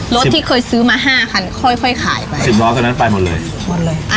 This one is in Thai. รถที่เคยซื้อมาห้าคันค่อยค่อยขายไปสิบล้อคันนั้นไปหมดเลยหมดเลยอ่ะ